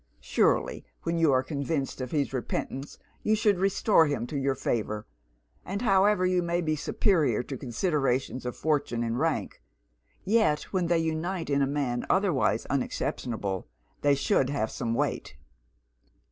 Surely, when you are convinced of his repentance you should restore him to your favour; and however you may be superior to considerations of fortune and rank, yet when they unite in a man otherwise unexceptionable they should have some weight.'